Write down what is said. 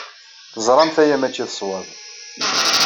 Teẓramt aya maci d ṣṣwab.